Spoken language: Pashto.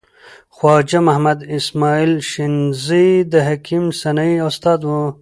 خواجه محمد اسماعیل شنیزی د حکیم سنایی استاد و.